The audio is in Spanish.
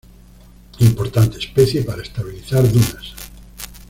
Importante especie para estabilizar dunas.